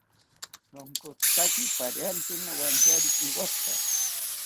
Nonkotzitaki pariantzi nowantyari iwatha